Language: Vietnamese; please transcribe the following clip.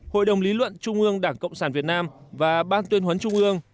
hội đồng lý luận trung ương đảng cộng sản việt nam và ban tuyên huấn trung ương